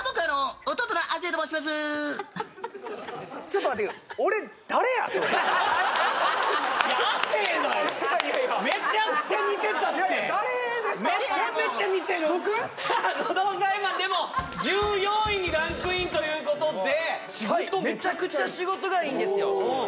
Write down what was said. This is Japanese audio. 喉押さえマンでも１４位にランクインということでめちゃくちゃ仕事がいいんですよ